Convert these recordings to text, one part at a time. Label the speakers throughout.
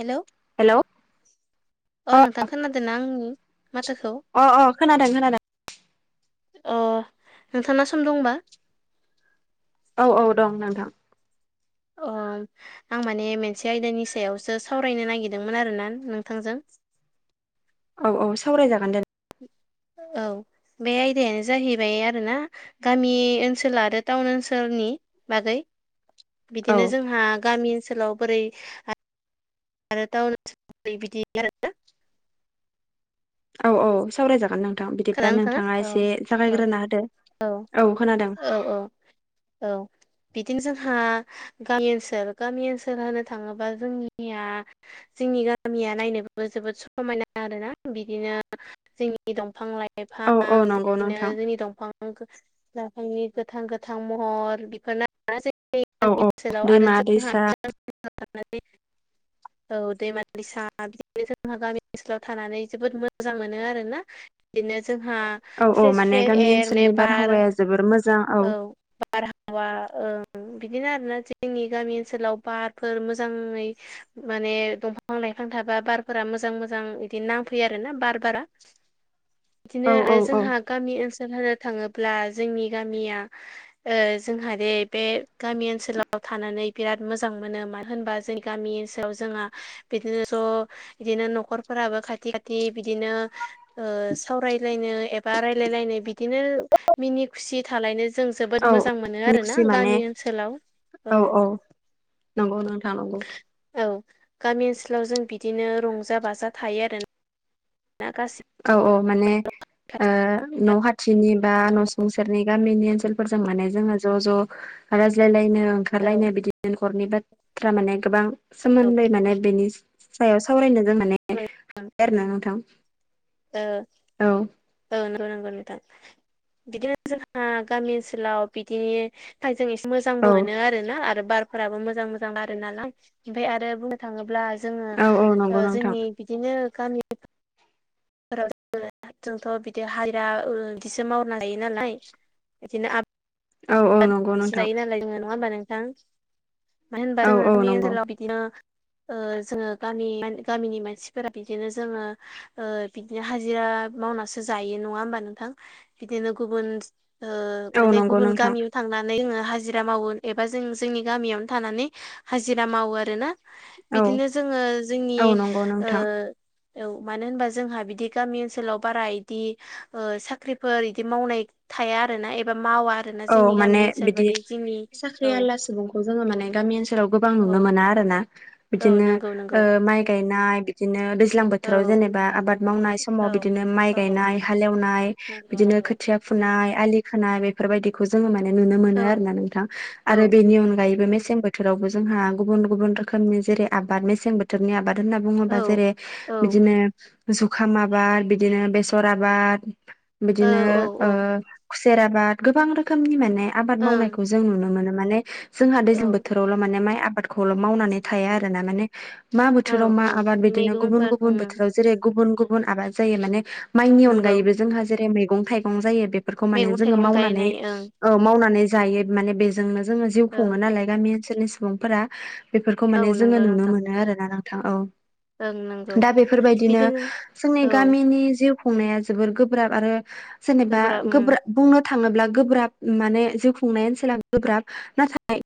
Speaker 1: हेल'
Speaker 2: hello अ अ अ
Speaker 1: खोनादोंना आंनि माथोखौ
Speaker 2: खोनादों खोनादों
Speaker 1: अ नोंथांना सम दंबा?
Speaker 2: औ औ दं नोंथां
Speaker 1: अ आं माने मोनसे आयदानि सायावसो सावरायनो नागिरदोंमोन आरोना नोंथांजों।
Speaker 2: औ औ सावरायजागोन दे
Speaker 1: औ बे आयदायानो जाहैबाय आरोना गामि ओनसोल आरो टाउन ओनसोलनि बागै।
Speaker 2: औ
Speaker 1: बिदिनो जोंहा गामि ओनसोलाव बोरै आरो टाउ बिदि आरोना
Speaker 2: औ औ सावरायजागोन नों थां बिदिब्ला
Speaker 1: खोनादोंना
Speaker 2: नोंथाङा एसे
Speaker 1: औ
Speaker 2: जागायग्रोना होदो औ खोनादों
Speaker 1: औ औ औ बिदिनो जोंहा गामि ओनसोल गामि ओनसोल होनो थाङोबा जोंनिया जोंनि गामिया नायनोबो जोबोद समायना आरोना बिदिनो जोंनि दंफां लाइ
Speaker 2: औ
Speaker 1: लाइफां
Speaker 2: औ नंगौ
Speaker 1: बिदिनो
Speaker 2: नोंथां
Speaker 1: जोंनि दंफां फां लाइफांनि गोथां गोथां महर बेखौनो ज गि
Speaker 2: औ औ
Speaker 1: ओनसोलाव आरो
Speaker 2: दैमा
Speaker 1: जोंहा
Speaker 2: दैसा
Speaker 1: बे [unintelligible] औ दैमा दैसा बिदिनो जोंहा गामि ओनसोलाव थानानै जोबोद मोजां मोनो आर ना। इदिनो जोंहा
Speaker 2: औ औ
Speaker 1: फ्रेस
Speaker 2: माने
Speaker 1: फ्रेस
Speaker 2: गामि
Speaker 1: एयार
Speaker 2: ओनसोलनि
Speaker 1: नेबार
Speaker 2: बारहावाया जोबोर मोजां औ
Speaker 1: बारहावाओ ओं बिदिनो आरोना जोंनि गामि ओनसोलाव बारफोर मोजाङै माने दंफां लाइफां थाबा बारफोरा मोजां मोजां इदि नांफैयो आरो ना बार-बारा। इदिनो
Speaker 2: औ औ
Speaker 1: आरो
Speaker 2: औ
Speaker 1: जोंहा गामि ओनसोल होनो थाङोब्ला जोंनि गामिया ओ जोंहा दे बे गामि ओनसोलाव थानानै बिराद मोजां मोनो मानो होनबा जोंनि गामि ओनसोलाव जोंहा बिदिनो ज' बिदिनो न'खरफोराबो खाथि खाथि बिदिनो ओ सावरायलायनो एबा रायलायलायनो बिदिनो मिनि खुसि थालायनो जों जोबोद
Speaker 2: औ
Speaker 1: मोजां मोनो आरोना
Speaker 2: खुसि माने
Speaker 1: गामि ओनसोलाव औ
Speaker 2: नंगौ नोंथा नांगौ।
Speaker 1: औ गामि ओनसोलाव जों बिदिनो रंजा बाजा थायो आरो ना गासै
Speaker 2: औ-औ माने ओ न' हाथिनि बा न'सुं सेेरनि गामिनि ओनसोलफोरजों माने जोङो ज' ज' राज्लाय लायनो
Speaker 1: औ
Speaker 2: ओंखारलायनाय बिदिनो न'खरनि बाथ्रा माने गोबां सोमोन्दै माने बिनि सायाव सावरायनो जों माने आरो ना नोंथां।
Speaker 1: ओ
Speaker 2: औ
Speaker 1: औ नंगौ-नंगौ नोंथां बिदिनो जोंहा गामि ओनसोलाव बिदि फाय जों एसे
Speaker 2: औ
Speaker 1: मोजांबो मोनो आर ना आरो बारफोराबो मोजां मोजां बारोनालाय ओमफाय आरो बुंनो थाङोब्ला जोङो
Speaker 2: औ औ नंगौ
Speaker 1: ओ
Speaker 2: नोंथां
Speaker 1: जोंनि बिदिनो गामि [unintelligible] जोंथ' बिदि हाजिरा बिदिसो मावनो हायो नालाय बिदिनो आब
Speaker 2: औ-औ नं
Speaker 1: सो जायो नालाय जोङो नङा होमबा नोंथां मानो होनबा
Speaker 2: औ औ
Speaker 1: जोङोनि
Speaker 2: नंगौ
Speaker 1: ओनसोलाव बिदिनो ओ जोङो गामि-गामिनि मानसिफोरा बिदिनो जोङो ओ बिदिनो हाजिरा मावनासो जायो नङा होमबा नोंथां बिदिनो गुबुन ओ
Speaker 2: औ
Speaker 1: माने
Speaker 2: नंगौ
Speaker 1: गुबुन
Speaker 2: नोंथां
Speaker 1: गामियाव थांनानै जोङो हाजिरा मावो एबा जों जोंनि गामियावनो थानानै हाजिरा मावो आरो ना।
Speaker 2: औ
Speaker 1: बिदिनो जोङो जोंनि
Speaker 2: औ नंगौ
Speaker 1: ओ
Speaker 2: नोंथां
Speaker 1: औ मानो होनबा जोंहा बिदि गामि ओनसोलाव बारा इदि ओ साख्रिफोर इदि मावनाय थाया आरोना एबा मावा आरोना।
Speaker 2: औ
Speaker 1: जोंनि गामि
Speaker 2: माने
Speaker 1: ओनसोल
Speaker 2: बिदि
Speaker 1: बायदि जोंनि
Speaker 2: साख्रि
Speaker 1: औ
Speaker 2: आलला सुबुंखौ जोङो माने गामि ओनसोलाव गोबां नुनो
Speaker 1: औ
Speaker 2: मोना। आरोना
Speaker 1: औ
Speaker 2: बिदिनो
Speaker 1: नंगौ नंगौ
Speaker 2: ओ माइ गायनाय बिदिनो दैज्लां
Speaker 1: औ
Speaker 2: बोथोराव जेनेबा आबाद मावनाय
Speaker 1: औ
Speaker 2: समाव बिदिनो माइ
Speaker 1: औ
Speaker 2: गायनाय हालेवनाय
Speaker 1: नंगौ
Speaker 2: बिदिनो
Speaker 1: नंगौ।
Speaker 2: खोथिया फुनाय आलि खोनाय बे फोरबायदिखौ जोङो माने नुनो
Speaker 1: औ
Speaker 2: मोनो आरोना नोंथां।
Speaker 1: औ
Speaker 2: आरो बेनि अनगायैबो मेसें बोथ थोरावबो जोंहा गुबुन गुबुन रोखोमनि जेरै आबाद मेसें बो थोरनि आबाद होनना
Speaker 1: औ
Speaker 2: बुङोबा जेरे
Speaker 1: औ
Speaker 2: बिदिनो जुखाम आबाद बिदिनो बेसर आबाद
Speaker 1: औ
Speaker 2: बिदिनो
Speaker 1: औ
Speaker 2: ओ खुसे सेर आबाद गोबां रोखोमनि माने आबाद
Speaker 1: ओं
Speaker 2: मावनायखौ जों नुनो मोनो। माने जोंहा दैज्लां
Speaker 1: औ
Speaker 2: बोथोरावल' माने माइ आबादखौल' मावनानै थाया। आरो ना माने मा
Speaker 1: औ
Speaker 2: बोथोराव मा
Speaker 1: औ
Speaker 2: आबाद बिदिनो गुबुन
Speaker 1: मैगंफोर
Speaker 2: गुबुन बोथोराव जेरै गुबुन गुबुन आबाद जायो। माने माइनि
Speaker 1: नंगौ
Speaker 2: अनगायैबो जोंहा जेरै मैगं थाइगं जायो बेफोरखौ माने
Speaker 1: मैगं
Speaker 2: जोङो
Speaker 1: थाइगं
Speaker 2: मावना
Speaker 1: गायनाय ओं
Speaker 2: औ मावनानै जायो माने बेजोंनो जोङो जिउ खुङो
Speaker 1: औ
Speaker 2: नालाय गामि ओनसोलनि सुबुंफोरा बेफोरखौ माने
Speaker 1: औ
Speaker 2: जोङो
Speaker 1: नंगौ
Speaker 2: नुनो
Speaker 1: नोंथां
Speaker 2: मोनो आरोना नोंथां। औ
Speaker 1: ओं नंगौ
Speaker 2: दा बेफोरबायदिनो
Speaker 1: बिदिनो
Speaker 2: जोंनि
Speaker 1: औ
Speaker 2: गामिनि जिउ खुंनाया जोबोर गोब्राब आरो जेनेबा
Speaker 1: गोब्राब
Speaker 2: गोब्रा बुंनो थाङोब्ला गोब्राब माने जिउ खुंनाय ओनसोला गोब्राब नाथाय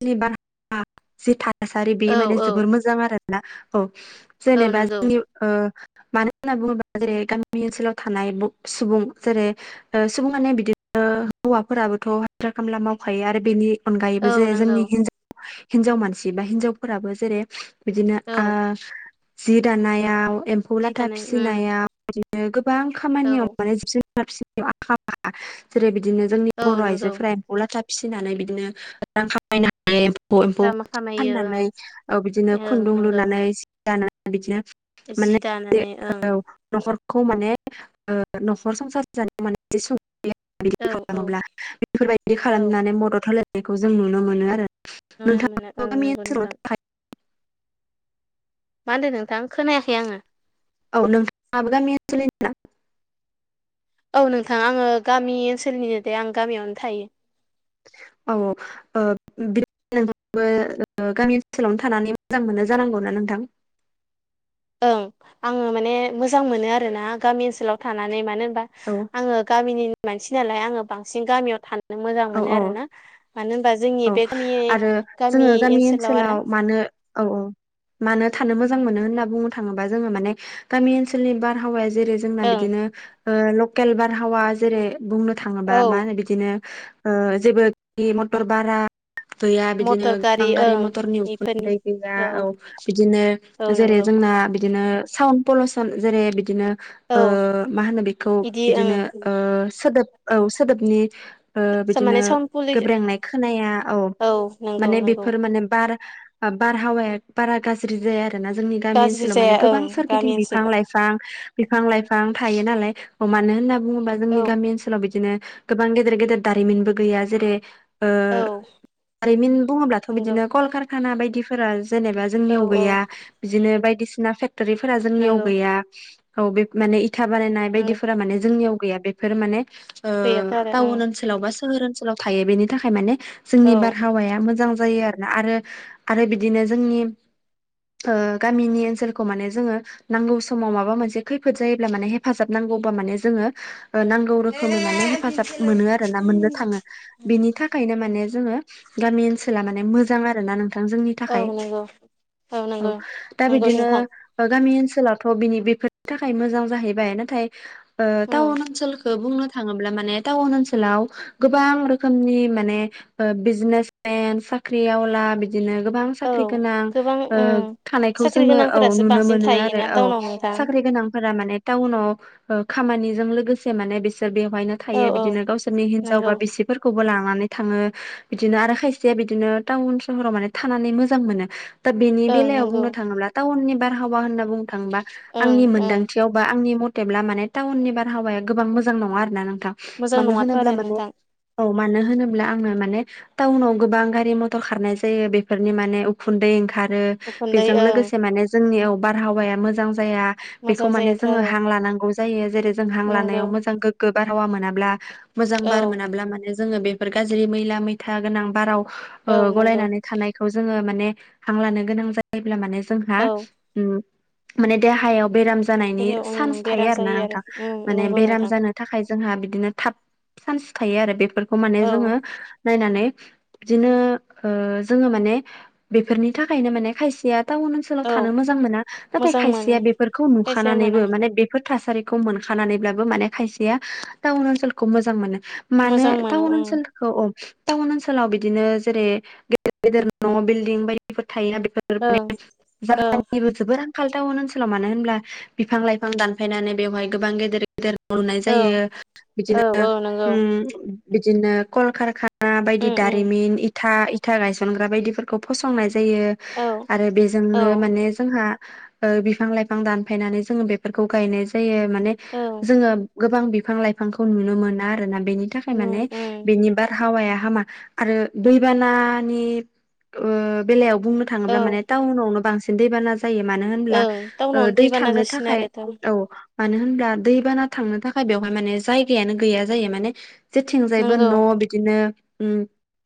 Speaker 2: [unintelligible] [inaudible] थासारि बे
Speaker 1: औ
Speaker 2: माने
Speaker 1: औ
Speaker 2: जोबोर मोजां आरोना औ
Speaker 1: औ
Speaker 2: जेनेबा
Speaker 1: नंगौ
Speaker 2: जोंनि ओ मानो होनना बुङोबा जेरै गामि ओनसोलाव थानाय सुबुं जेरै ओ सुबुं माने बिनो हौवाफोराबोथ' हाज्रिरा खामला मावखायो आरो बेनि अनगायैबो
Speaker 1: औ
Speaker 2: जे
Speaker 1: नंगौ
Speaker 2: जोंनि हिन्जाव। हिनजाव मानसि बा हिन्जावफोराबो जेरै बिदिनो ओ
Speaker 1: औ
Speaker 2: जि दानायाव एम्फौ
Speaker 1: जि
Speaker 2: लाथा
Speaker 1: दानाय औ
Speaker 2: फिसिनायाव बिदिनो गोबां खामानियाव माने फिसिनाय आखा फाखा जेरै बिदिनो जोंनि
Speaker 1: औ
Speaker 2: बर
Speaker 1: नंगौ
Speaker 2: आइजोफोरा फौलाथा फिसिनानै बिदिनो रां खामाय बायनानै ह एम्फौ
Speaker 1: रां खामायो ओं
Speaker 2: फाननानै बिदिनो
Speaker 1: ओं
Speaker 2: खुन्दुं
Speaker 1: नंगौ
Speaker 2: लुनानै दाना बिदिनो
Speaker 1: जि
Speaker 2: माने
Speaker 1: दानानै ओं
Speaker 2: औ नखरखौ माने ओ नखर संसार जानाय माने
Speaker 1: औ
Speaker 2: बिदि
Speaker 1: नंगौ
Speaker 2: खालामोब्ला बेफोरबायदि
Speaker 1: औ
Speaker 2: खालामनानै मदद होलायनायखौ जों नुनो मोनो आरो।
Speaker 1: नुनो मोनो
Speaker 2: नोंथाङा
Speaker 1: ओं
Speaker 2: गामि
Speaker 1: नंगौ
Speaker 2: ओनसोलावनो
Speaker 1: नोंथां
Speaker 2: थाखायो
Speaker 1: मा होन्दो नोंथां खोनायाखै आङो
Speaker 2: औ नोंथांआबो गामि ओनसोलनिनो ना?
Speaker 1: औ नोंथां आङो गामि ओनसोलनिनो दे आं गामियावनो थायो।
Speaker 2: औ औ बिबो [unintelligible] [inaudible] गामि ओनसोलावनो थानानै मोजां मोनो जानांगौना नोंथां?
Speaker 1: ओं आङो माने मोजां मोनो आरोना गामि ओनसोलाव थानानै मानो होनबा
Speaker 2: औ
Speaker 1: आङो गामिनिऩ मानसि नालाय आङो बांसिन गामियाव थानो मोजां
Speaker 2: औ
Speaker 1: मोनो
Speaker 2: औ
Speaker 1: आरोना मानो होनबा
Speaker 2: औ
Speaker 1: जोंनि बे गामि
Speaker 2: आरो जोङो
Speaker 1: गामि ओनसोलाव आरो ना।
Speaker 2: मानो औ औ मानो थानो मोजां मोनो होनना बुंनो थाङोबा जोङो माने गामि ओनसोलनि बारहावाया जेरै जोंना
Speaker 1: ओं
Speaker 2: बिदिनो ओ लकेल बारहावा जेरै बुंनो थाङोबा मा
Speaker 1: औ
Speaker 2: होनो बिदिनो ओ जेबोखि मथर बारा गैया बिदिनो
Speaker 1: मटर
Speaker 2: गोबां गारि
Speaker 1: ओं
Speaker 2: मथरनि
Speaker 1: बेफोरनि
Speaker 2: उखुन्दै गैया औ बिदिनो
Speaker 1: औ
Speaker 2: जेरै
Speaker 1: नंगौ
Speaker 2: जोंना बिदिनो सावन पलसन जेरै बिदिनो
Speaker 1: औ
Speaker 2: ओ मा होनो बेखौ
Speaker 1: बिदि
Speaker 2: बिदिनो
Speaker 1: ओं
Speaker 2: ओ सोदोब औ सोदोबनि ओ बि बिदिनो
Speaker 1: माने साउन्ड पलिउसन
Speaker 2: गोब्रेंनाय खोनाया औ
Speaker 1: नंगौ
Speaker 2: माने
Speaker 1: नंगौ
Speaker 2: बेफोर माने बार बारहावाया बारा गाज्रि जाया आरो ना जोंनि गामि
Speaker 1: गाज्रि
Speaker 2: ओनसोलाव माने
Speaker 1: जाया
Speaker 2: गोबां
Speaker 1: ओं गामि
Speaker 2: सोरगिदिं
Speaker 1: ओनसोलाव
Speaker 2: बिफां-लाइफां बिफां बिफां लाइफां थायो नालाय मानो होनना बुङोबा जोंनि
Speaker 1: औ
Speaker 2: गामि ओनसोलाव बिदिनो गोबां गेदेर गेदेर दारिमिनबो गैया जेरै ओ
Speaker 1: औ
Speaker 2: दारिमिन बुङोब्लाथ
Speaker 1: नंगौ
Speaker 2: बिदिनो कलकारखाना बायदिफोरा जेनेबा
Speaker 1: औ
Speaker 2: जोंनियाव
Speaker 1: औ
Speaker 2: गैया बिदिनो बायदिसिना फेगटरिफोरा जोंनि
Speaker 1: नंगौ
Speaker 2: गैया औ बे माने इ था‌ बानायनाय
Speaker 1: नंगौ
Speaker 2: बायदिफोरा माने जोंनियाव गैया बेफोर माने ओ
Speaker 1: दैयाथ' आरो
Speaker 2: थावन ओनसोलाव बा सोहोर ओनसोलाव थायो बेनि थाखाय माने जोंनि
Speaker 1: ओं
Speaker 2: बारहावाया मोजां जायो आरो। आरो आरो बिदिनो जोंनि ओ गामिनि ओनसोलखौ माने जोङो नांगौ समाव माबा मोनसे खैफोद जायोब्ला माने हेफाजाब नांगौबा माने जोङो नांगौ रोखोमै
Speaker 1: औ
Speaker 2: माने हेफाजाब मोनो आरो ना मोननो थाङो बिनि थाखायनो माने जोङो गामि ओनसोला माने मोजां आरोना नोंथां जोंनि
Speaker 1: औ
Speaker 2: थाखाय
Speaker 1: नंगौ
Speaker 2: औ दा
Speaker 1: नंगौ
Speaker 2: बिदिनो
Speaker 1: नोंथां
Speaker 2: गामि ओनसोलावथ' बिनि बेफोरनि थाखाय मोजां जाहैबाय नाथाय ओ
Speaker 1: उम
Speaker 2: टाउन ओनसोलखौ बुंनो थाङोब्ला माने टाउन ओनसोलाव गोबां रोखोमनि माने बिजनेसमेन साख्रिआवला बेफ बिदिनो गोबां
Speaker 1: औ
Speaker 2: साख्रि गोनां
Speaker 1: गोबां
Speaker 2: ओ
Speaker 1: उम
Speaker 2: थानायखौ
Speaker 1: साख्रि
Speaker 2: जोङो औ
Speaker 1: गोनांफोरासो
Speaker 2: नुनो
Speaker 1: बांसिन
Speaker 2: मोनो आरो
Speaker 1: थायोना
Speaker 2: औ।
Speaker 1: टाउनाव नोंथां
Speaker 2: साख्रि गोनांफोरा माने टाउनाव खामानिजों लोगोसे माने बिसोर बेवहायनो
Speaker 1: औ
Speaker 2: थायो
Speaker 1: औ
Speaker 2: बिदिनो गावसोरनि हिन्जाव
Speaker 1: नंगौ
Speaker 2: मानसिफोरखौबो लानानै थाङो। बिदिनो आरो खायसेया बिदिनो टाउन सहराव माने थानानै मोजां मोनो। दा बेनि
Speaker 1: ओं
Speaker 2: बेलायाव
Speaker 1: नंगौ
Speaker 2: बुंनो थाङोब्ला टाउननि बारहावा होनना बुंनो थाङोबा
Speaker 1: ओं
Speaker 2: आंनि
Speaker 1: ओं
Speaker 2: मोनदांथियाव बा आंनि मथेब्ला माने टाउननि बारहावाया गोबां मोजां नङा आरो ना नोंथां
Speaker 1: मोजां
Speaker 2: मानो
Speaker 1: नङाथ'
Speaker 2: होनोब्ला
Speaker 1: आरो
Speaker 2: माने
Speaker 1: नोंथां
Speaker 2: औ मानो होनोब्ला आङो माने टाउनाव गोबां गारि मथर खारनाय जायो बेफोरनि माने उखुन्दै ओंखारो
Speaker 1: उखुन्दै
Speaker 2: बेजों
Speaker 1: ओं
Speaker 2: लोगोसे माने जोंनियाव बारहावाया मोजां जाया बेखौ
Speaker 1: मोजां
Speaker 2: माने
Speaker 1: जायाथ'
Speaker 2: जोङो
Speaker 1: आरो
Speaker 2: हां लानांगौ जायो जेरै जों हां
Speaker 1: नंगौ
Speaker 2: लानायाव मोजां गोग्गो बारहावा मोनाब्ला मोजां बार
Speaker 1: औ
Speaker 2: मोनाब्ला माने जोङो बेफोर गाज्रि मैला मैथा गोनां बाराव ओ
Speaker 1: औ नंगौ
Speaker 2: गलायनानै थानायखौ जोङो माने हांलानो गोनां जायोब्ला माने जोंहा
Speaker 1: औ
Speaker 2: उम माने देहायाव बेराम जानायनि
Speaker 1: देहायाव उम
Speaker 2: सान्स थायो
Speaker 1: बेराम
Speaker 2: आरोना
Speaker 1: जायो आरो
Speaker 2: नोंथां
Speaker 1: उम
Speaker 2: माने
Speaker 1: नंगौ
Speaker 2: बेराम
Speaker 1: नोंथां
Speaker 2: जानो थाखाय जोंहा बिदिनो थाब चान्स थायो आरो बेफोरखौ माने
Speaker 1: औ
Speaker 2: जोङो नायनानै बिदिनो जोङो मान बेफोरनि थाखायनो माने खायसेया टाउन ओनोलाव थानो
Speaker 1: औ
Speaker 2: मोजां मोना नाथाय
Speaker 1: मोजां
Speaker 2: खायसेया
Speaker 1: मोनो
Speaker 2: बेफोरखौ
Speaker 1: खायसेया
Speaker 2: नुखानानैबो
Speaker 1: मोना
Speaker 2: माने बेफोर थासारिखौ मोनखानानैब्लाबो माने खायसेया टाउन ओनसोलखौ मोजां मोनो। माने
Speaker 1: मोजां मोनो
Speaker 2: टाउन
Speaker 1: उम
Speaker 2: ओनसोल औ औ टाउन ओनसोलाव बिदिनो जेरै गेदेर गेदेर न' बिल्डिं बायदिफोर थायोना बेफोर
Speaker 1: ओं ओं
Speaker 2: [unintelligible] जोबोर आां फाल्थाव ओनसोलाव मानो होनोबब्ला बिफां लाइफां दानफायनानै बेवहाय गोबां गेदेर गदेर लुनाय
Speaker 1: औ
Speaker 2: जायो
Speaker 1: औ
Speaker 2: बिदिनो
Speaker 1: औ नंगौ
Speaker 2: बिदिनो कलकाना बायदि
Speaker 1: उम उम
Speaker 2: दारिमिन इथा इथा गायसनग्रा बायदिफोरखौ खौ फसंनाय जायो
Speaker 1: औ
Speaker 2: आरो
Speaker 1: औ
Speaker 2: बेजोंनो माने जोंहा बिफां लाइफां दानफायनानै जोङो बेफोरखौ गायनाय जायो माने।
Speaker 1: औ
Speaker 2: जोङो गोबां बिफां लाइफांखौ नुनो मोना आरोोना बेनि थाखाय
Speaker 1: उम
Speaker 2: माने
Speaker 1: उम
Speaker 2: बेनि बा रहावाया हामा आरो दैबानानि ओ बेलायाव बुंनो थाङोब
Speaker 1: औ
Speaker 2: माने टाउनावनो बांसिन दैबाना जा जायो मानो होनब्ला
Speaker 1: ओं टाउनावनो
Speaker 2: दै
Speaker 1: दैबाना
Speaker 2: थांनो
Speaker 1: जासिनो
Speaker 2: थाखाय
Speaker 1: आरो दा
Speaker 2: औ मानो होनब्ला दैबाना थांनो थाखाय बेवहाय माने जायगायानो गैया जायो माने जेथिंजायबो
Speaker 1: नंगौ
Speaker 2: न' बिदिनो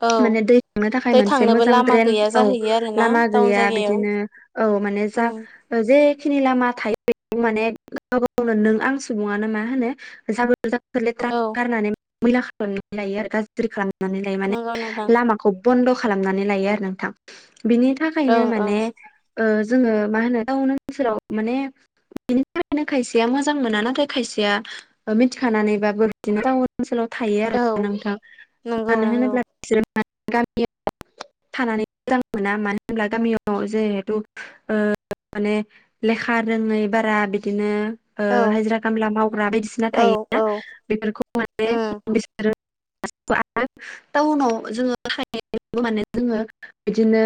Speaker 1: औ
Speaker 2: माने दै थांनो थाखाय
Speaker 1: दै
Speaker 2: मोनसे
Speaker 1: थांनोबो
Speaker 2: मोजां
Speaker 1: लामा
Speaker 2: ड्रेन
Speaker 1: गैया
Speaker 2: औ
Speaker 1: जाहैयो आरोना
Speaker 2: लामा
Speaker 1: टाउन
Speaker 2: गैया
Speaker 1: जायगायाव
Speaker 2: बिदिनो औ माने जा
Speaker 1: उम
Speaker 2: जेखिनि लामा थायो बे माने ग गावनो नों आं सुबुङानो मा होनो [unintelligible]
Speaker 1: औ
Speaker 2: मैला खाथ'नानै लायो आरो गाज्रि खालामनानै लायो माने
Speaker 1: नंगौ नोंथां
Speaker 2: लामाखौ खौ बन्द' खालामनानै लायो आरो नोंथां बिनि थाखायनो
Speaker 1: ओं
Speaker 2: माने
Speaker 1: ओं
Speaker 2: जोङो मा होनो टाउन ओनसोराव माने बेनि थाखायनो खायसेया मोजां मोना नाथाय खायसेया मिथिखानानै बा बोर बिदिनो टाउन ओनसोलाव थायो
Speaker 1: औ
Speaker 2: आरोोनांथा
Speaker 1: नंगौ
Speaker 2: मानो
Speaker 1: नंगौ
Speaker 2: होनोब्ला [unintelligible] थानानै मोजां मोना मानो होनब्ला गामियाव जिहेथु माने लेखा रोङै बारा बिदिनो
Speaker 1: औ
Speaker 2: हाजिरा खामला मावग्रा बायदिसिना
Speaker 1: औ
Speaker 2: थायोना
Speaker 1: औ
Speaker 2: बेफोरखौ माने
Speaker 1: उम
Speaker 2: बिसोरो टाउनाव [unintelligible] माने जोङो बिदिनो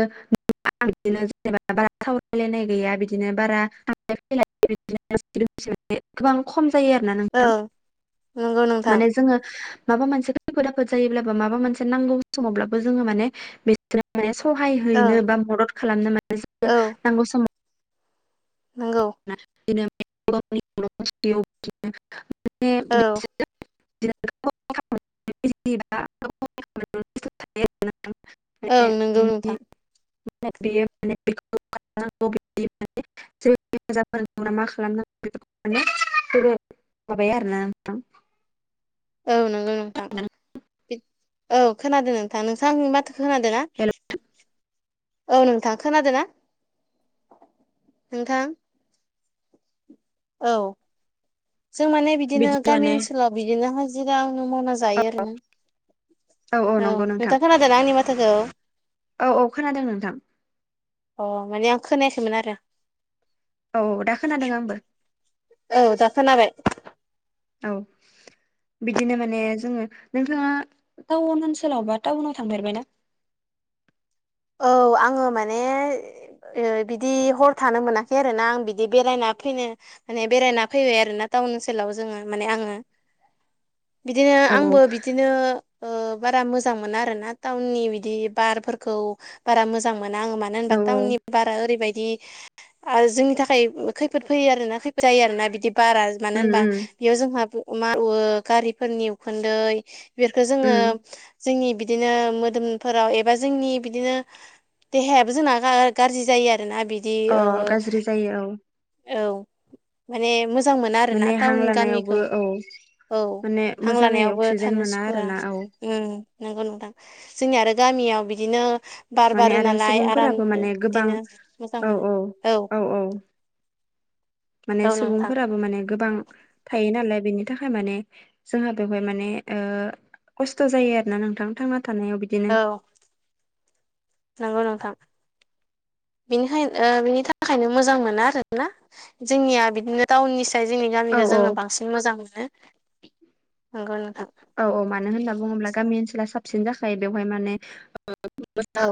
Speaker 2: आ बिदिनो जेनेबा बारा थावलायलायनाय गैया बिदिनो बारा थांलाय फैलाय [unintelligible] गोबां खम जायो आरोना नोंथां।
Speaker 1: ओं नंगौ नोंथां
Speaker 2: माने जोङो माबा मोनसे खैफो आफोद जायोब्लाबो माबा मोनसे नांगौ समावब्लाबो जोङो माने बि माने सहाय हैनो
Speaker 1: ओं
Speaker 2: बा मदद खालामनो माने नांगौ समाव
Speaker 1: नोंगौ औ
Speaker 2: [unintelligible] [unintelligible]
Speaker 1: ओं नंगौ नोंथां
Speaker 2: [unintelligible] [unintelligible] [unintelligible] [unintelligible] खालामनांगौ बेफोरखौ मानेबो माबायो आरोना नोंथां
Speaker 1: औ नंगौ नोंथां औ खोनादों नोंथां नोंसां आंनि माथोखौ खोनादों ना?
Speaker 2: हेल'
Speaker 1: औ नोंथां खोनादों? नोंथां औ जों माने बिदिनो गामि ओनसोलाव बिदिनो हाजिरा आंनो मावना जायो आरो ना औ नोंथा खोनादोंना आंनि माथाखौ
Speaker 2: औ औ खोनादों नोंथां।
Speaker 1: अ माने आं खोनायाखैमोन आरो
Speaker 2: औ दा खोनादों आंबो
Speaker 1: औ दा खोनाबाय।
Speaker 2: औ बिदिनो माने जोङो नोंथाङा टाउन ओनसोलाव बा टाउनाव थांफेरबाय ना
Speaker 1: औ आङो माने बिदि हर थानो मोनाखै आरोोना आं बिदि बेरायना फैनो माने बेरायना फैबाय आरोोना टाउन ओनसोलाव जोङो माने आङो बिदिनो
Speaker 2: औ औ
Speaker 1: आंबो बिदिनो बारा मोजां मोना आरो ना टाउननि बिदि बारफोरखौ बारा मोजां मोना आंो म मानो होनबा
Speaker 2: औ औ
Speaker 1: टाउननि बारा ओरैबायदि आरो जोंनि थाखाय खैफोद फैयो आरोना खैफ जायो आरोोना बिदि बारा मानो
Speaker 2: उम
Speaker 1: होनबा
Speaker 2: उम
Speaker 1: बेयाव जोंहा मावाो गारिफोरनि उखुन्दै बेखो जोङो
Speaker 2: उम
Speaker 1: जोंनि बिदिनो मोदोमफोराव एबा जोंनि बिदिनो देहायाबो जोंना गाज्रि जायो आरोना बिदि
Speaker 2: अ गाज्रि जायो औ
Speaker 1: बिदि औ माने मोजां मोना आरो ना
Speaker 2: माने हां
Speaker 1: टाउन
Speaker 2: लानायावबो
Speaker 1: गामिखौ
Speaker 2: औ
Speaker 1: औ
Speaker 2: माने
Speaker 1: हां
Speaker 2: मोजाङै
Speaker 1: लानायावबो
Speaker 2: अक्सिजेन
Speaker 1: थानो
Speaker 2: मोना
Speaker 1: सुखुवा
Speaker 2: आरोना औ
Speaker 1: ओं नंगौ नंथां जोंनिया आरो गामियाव बिदिनो बार
Speaker 2: माने
Speaker 1: बारो
Speaker 2: आरो
Speaker 1: नालाय
Speaker 2: सुबुंफोराबो
Speaker 1: आरामनो
Speaker 2: माने गोबां
Speaker 1: बिदिनो मोजां
Speaker 2: औ औ
Speaker 1: मोनो औ
Speaker 2: माने
Speaker 1: औ नोंथां
Speaker 2: सुबुंफोराबो माने गोबां थायो नालाय बेनि थाखाय माने जोंहा बेवहाय माने खस्थ' जायो आरोोना नोंथां थांना थानायाव बि
Speaker 1: औ नंगौ नोंथां बिनिखायनो बिनि थाखायनो मोजां मोना आरोना जोंनिया बिदिनो टाउननि साय जोंनि
Speaker 2: औ
Speaker 1: गामिखौ
Speaker 2: औ
Speaker 1: जोङो बांसिन मोजां मोनो नंगौ नोंथां
Speaker 2: औ औ मानो होनना बुङोब्ला गामि ओनसोला साबसिन जाखायो बेवहाय माने [unintelligible]
Speaker 1: औ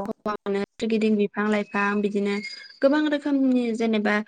Speaker 2: नो सोरगिदिं बिफां लाइफां बिदिनो गोबां रोखोमनि जेनेबा